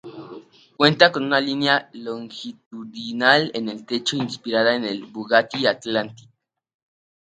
Cuenta con una línea longitudinal en el techo inspirada en el Bugatti Atlantic.